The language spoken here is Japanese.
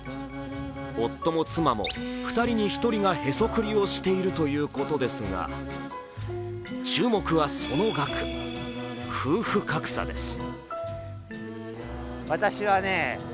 夫も妻も、２人に１人がへそくりをしているということですが、注目はその額、夫婦格差です。